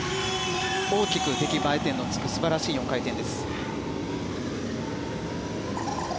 大きく出来栄え点のつく素晴らしい４回転です。